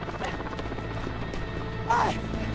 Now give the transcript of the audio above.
おい！